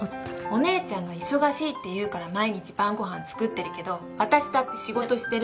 お姉ちゃんが忙しいっていうから毎日晩ご飯作ってるけど私だって仕事してるんです！